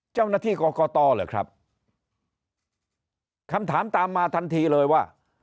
เจ้าหน้าที่กรกตเหรอครับคำถามตามมาทันทีเลยว่า